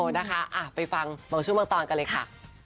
นะคะไปฟังบางช่วงบางตอนกันเลยค่ะ